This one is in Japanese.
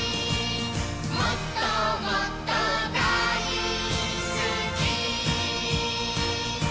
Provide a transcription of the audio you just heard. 「もっともっとだいすき」